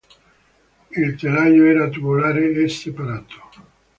Il telaio era tubolare e separato.